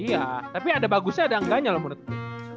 iya tapi ada bagusnya ada enggaknya loh menurut gue